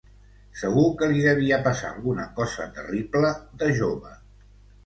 Segur que li devia passar alguna cosa terrible, de jove.